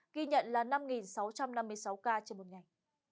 ghi nhận là năm sáu trăm năm mươi sáu ca trên một ngày